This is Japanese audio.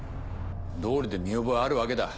どうりで見覚えあるわけだ。